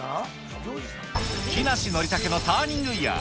木梨憲武のターニングイヤー。